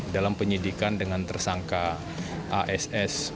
dalam penyidikan dengan tersangka ass